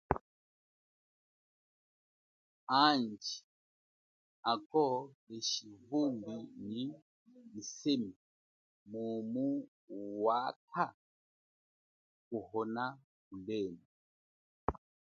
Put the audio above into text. Andji, ako keshi vumbi nyi yisemi mumu wa kha? kuhonakulemba.